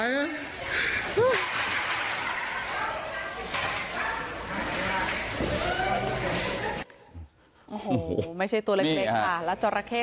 โอ้โหไม่ใช่ตัวเล็กเล็กค่ะนี่ค่ะแล้วจรกิ